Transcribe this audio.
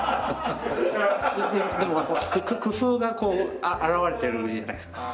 でも工夫がこう表れてるじゃないですか。